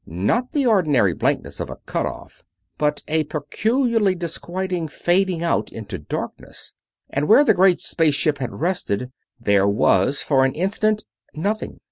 Not the ordinary blankness of a cut off, but a peculiarly disquieting fading out into darkness. And where the great space ship had rested there was for an instant nothing.